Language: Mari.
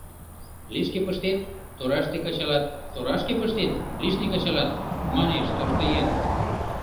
«Лишке пыштет — тораште кычалат, торашке пыштет — лишне кычалат», — манеш тоштыеҥ.